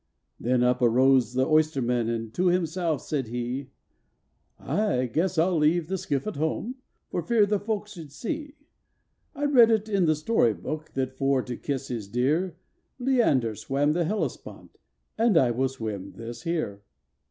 Then up arose the oysterman, and to himself said he, "I guess I 'll leave the skiff at home, for fear that folks should see I read it in the story book, that, for to kiss his dear, Leander swam the Hellespont, and I will swim this here."